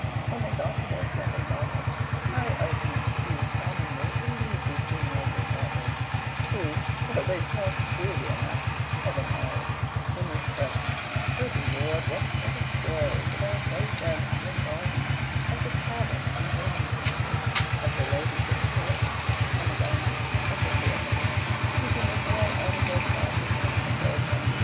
When they got to their second bottle, Harry Esmond used commonly to leave these two noble topers, who, though they talked freely enough, heaven knows, in his presence (Good Lord, what a set of stories, of Alsatia and Spring Garden, of the taverns and gaming houses, of the ladies of the court, and mesdames of the theatres, he can recall out of their godly conversation!)